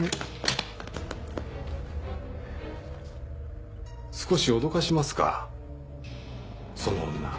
少し脅かしますかその女。